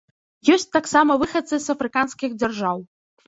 Ёсць таксама выхадцы з афрыканскіх дзяржаў.